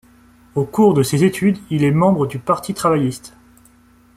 Au cours de ses études, il est membre du Parti travailliste.